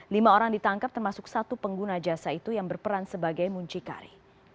lima orang ditangkap termasuk satu pengguna jasa itu yang berperan sebagai muncikari